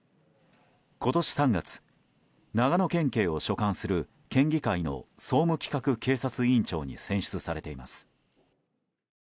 今年３月、長野県警を所管する県議会の総務企画警察委員長に選出されています。